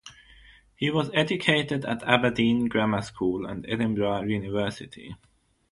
He was educated at Aberdeen Grammar School and Edinburgh University.